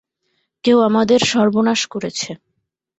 কেউ আমাদের সর্বনাশ করেছে।